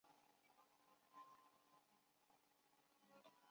好多玻璃还有饰品工厂